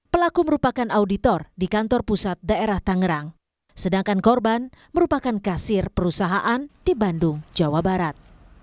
pelaku merupakan auditor di kantor pusat daerah tangerang sedangkan korban merupakan kasir perusahaan di bandung jawa barat